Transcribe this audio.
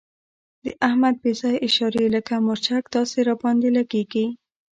د احمد بې ځایه اشارې لکه مرچک داسې را باندې لګېږي.